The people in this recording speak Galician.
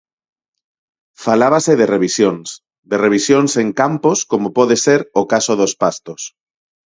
Falábase de revisións, de revisións en campos como pode ser o caso dos pastos.